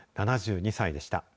７２歳でした。